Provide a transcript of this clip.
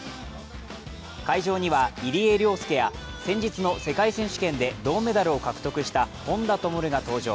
会場には、入江陵介や先日の世界選手権で銅メダルを獲得した本多灯が登場。